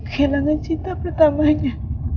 kelangan cinta pertamanya